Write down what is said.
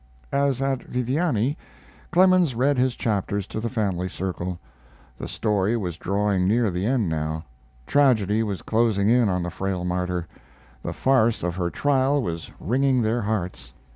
As at Viviani, Clemens read his chapters to the family circle. The story was drawing near the end now; tragedy was closing in on the frail martyr; the farce of her trial was wringing their hearts.